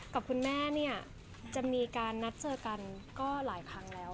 กับคุณแม่เนี่ยจะมีการนัดเจอกันก็หลายครั้งแล้ว